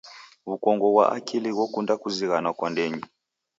W'ukongo ghwa akili ghokunda kuzighanwa kwa ndenyi.